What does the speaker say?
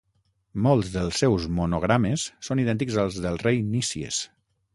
Molts dels seus monogrames són idèntics als del rei Nícies.